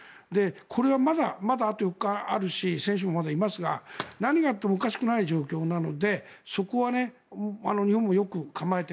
これはまだあと４日あるし選手もまだいますが何があってもおかしくない状況なのでそこは日本もよく構えて。